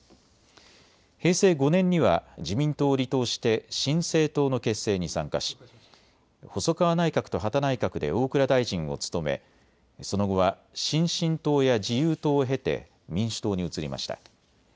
平成５年には自民党を離党して新生党の結成に参加し細川内閣と羽田内閣で大蔵大臣を務め、その後は新進党や自由党を経て民主党に移りました。